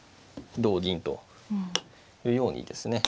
同銀というようにですね